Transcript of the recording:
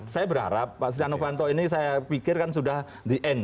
saya berharap pak setia novanto ini saya pikirkan sudah di end